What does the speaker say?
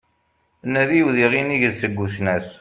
Nadi udiɣ inig seg usnas